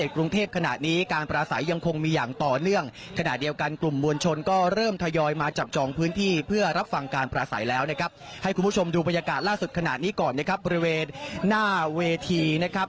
คุณผู้ชมดูบรรยากาศล่าสุดขนาดนี้ก่อนนะครับบริเวณหน้าเวทีนะครับ